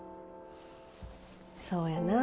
そうやな。